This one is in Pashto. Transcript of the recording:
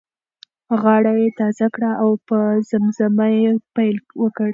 غاړه یې تازه کړه او په زمزمه یې پیل وکړ.